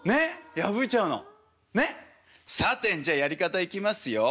さてじゃあやり方いきますよ。